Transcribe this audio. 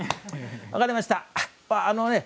分かりました。